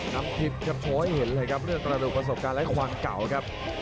น้ำทิพย์ครับโชว์ให้เห็นเลยครับเรื่องกระดูกประสบการณ์และความเก่าครับ